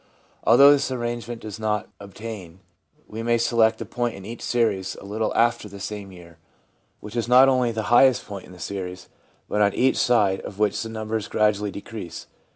Although this arrangement does not obtain, we may select a point in each series a little after the 'same year/ which is not only the highest point in the series, but on each side of which the numbers gradually de crease.